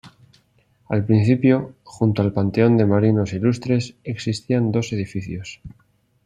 Al principio, junto al Panteón de Marinos Ilustres, existían dos edificios.